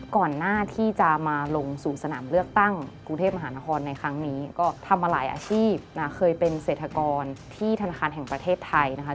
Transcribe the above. ก่อนหน้าที่จะมาลงสู่สนามเลือกตั้งกรุงเทพมหานครในครั้งนี้ก็ทำมาหลายอาชีพนะเคยเป็นเศรษฐกรที่ธนาคารแห่งประเทศไทยนะคะ